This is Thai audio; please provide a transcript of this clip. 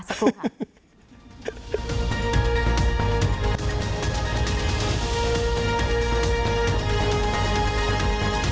สักครู่ค่ะ